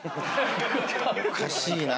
おかしいな。